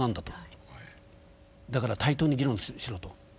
だから対等に議論しろと。